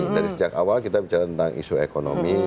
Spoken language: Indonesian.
dari sejak awal kita bicara tentang isu ekonomi